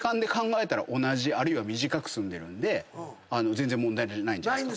全然問題ないんじゃないですか。